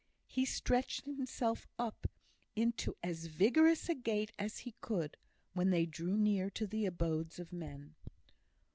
He stretched himself up into as vigorous a gait as he could, when they drew near to the abodes of men.